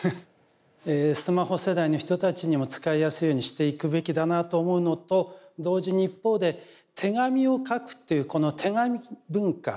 えスマホ世代の人たちにも使いやすいようにしていくべきだなと思うのと同時に一方で手紙を書くというこの手紙文化